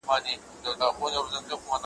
له نیکونو او له لویو استادانو `